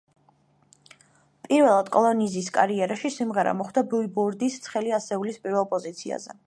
პირველად კოლინზის კარიერაში სიმღერა მოხვდა ბილბორდის ცხელი ასეულის პირველ პოზიციაზე.